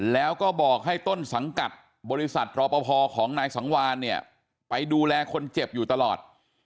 แล้วก็บอกให้ต้นสังกัดบริษัทรอปภของนายสังวานเนี่ยไปดูแลคนเจ็บอยู่ตลอด